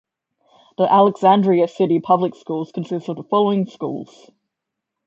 The Alexandria City Public Schools consists of the following schools.